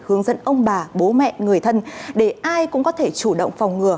hướng dẫn ông bà bố mẹ người thân để ai cũng có thể chủ động phòng ngừa